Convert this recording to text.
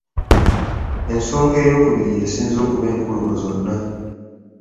Ensonga eyookubiri y'esinze okuba enkulu mu zonna.